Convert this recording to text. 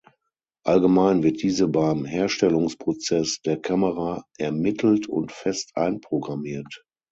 Allgemein wird diese beim Herstellungsprozess der Kamera ermittelt und fest einprogrammiert.